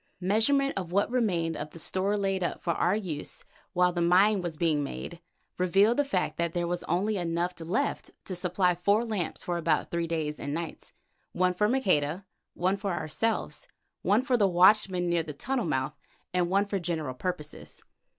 Measurement of what remained of the store laid up for our use while the mine was being made, revealed the fact that there was only enough left to supply four lamps for about three days and nights: one for Maqueda, one for ourselves, one for the watchman near the tunnel mouth, and one for general purposes.